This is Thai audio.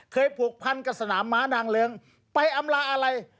เคยผูกพันกับสนามม้านางเลิงไปอำลาอาลัย